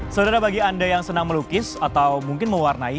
saudara bagi anda yang senang melukis atau mungkin mewarnai